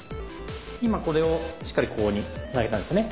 今これをしっかりここにつなげたんですよね。